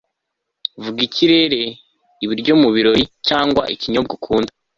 vuga ikirere, ibiryo mubirori cyangwa ikinyobwa ukunda